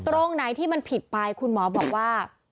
ตรงไหนที่มันผิดไปคุณหมอบอกว่า